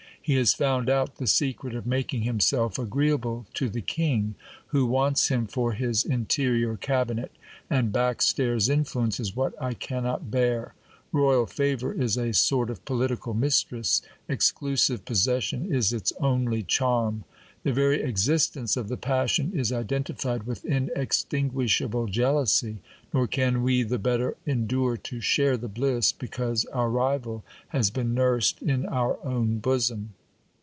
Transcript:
He has found out the secret of making himself agreeable to the king, who wants him for his interior cabinet ; and back stairs influence is what I cannot bear. Royal favour is a sort of political mistress ; exclusive possession is its only charm. The very existence of the passion is identified with inextinguishable jealousy ; nor can we the better endure to share the bliss, because our rival has been nursed in our own bosom.